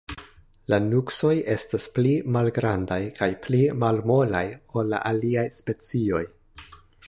La nuksoj estas pli malgrandaj kaj pli malmolaj, ol la aliaj specioj.